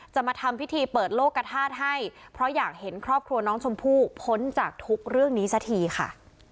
มาทำพิธีเปิดโลกกระทาสให้เพราะอยากเห็นครอบครัวน้องชมพู่พ้นจากทุกเรื่องนี้สักทีค่ะ